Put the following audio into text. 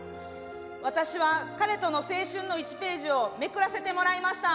「私は彼との青春の１ページをめくらせてもらいました」。